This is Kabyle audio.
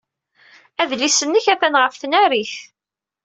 Adlis-nnek atan ɣef tnarit.